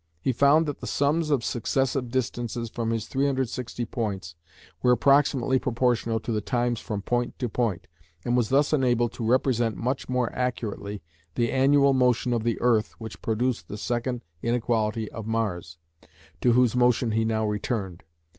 He found that the sums of successive distances from his 360 points were approximately proportional to the times from point to point, and was thus enabled to represent much more accurately the annual motion of the earth which produced the second inequality of Mars, to whose motion he now returned.